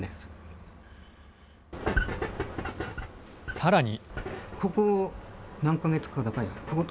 さらに。